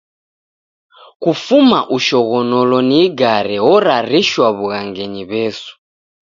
Kufuma ushoghonolo ni igare orarishwa w'ughangenyi W'esu.